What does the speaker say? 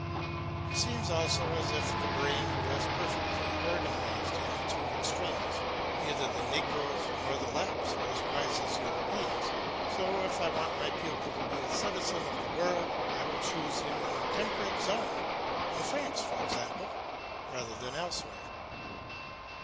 It seems also as if the brain were less perfectly organised in the two extremes. Neither the negroes nor the Laps are as wise as Europeans. So if I want my pupil to be a citizen of the world I will choose him in the temperate zone, in France for example, rather than elsewhere.